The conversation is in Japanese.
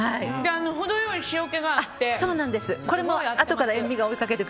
程良い塩気があって。